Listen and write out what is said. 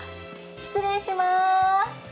失礼します。